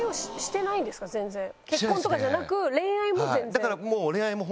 結婚とかじゃなく恋愛も全然？